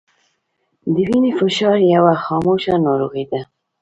د وینې فشار یوه خاموشه ناروغي ده